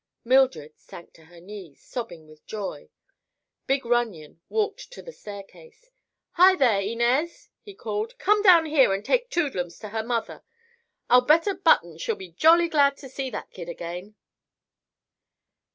Mildred sank to her knees, sobbing with joy. Big Runyon walked to the staircase. "Hi, there, Inez!" he called. "Come down here and take Toodlums to her mother. I'll bet a button she'll be jolly glad to see that kid again!"